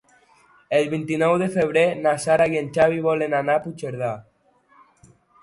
El vint-i-nou de febrer na Sara i en Xavi volen anar a Puigcerdà.